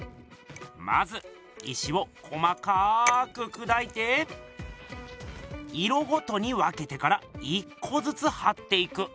まず石を細かくくだいて色ごとに分けてから１こずつはっていく。